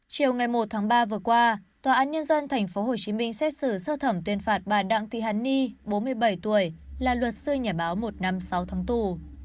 chiều ngày một tháng ba vừa qua tòa án nhân dân tp hcm xét xử sơ thẩm tuyên phạt bà đặng thị hàn ni bốn mươi bảy tuổi là luật sư nhà báo một năm sáu tháng tù